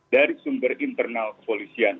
dari sumber internal kepolisian